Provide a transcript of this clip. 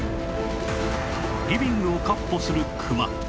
リビングを闊歩するクマ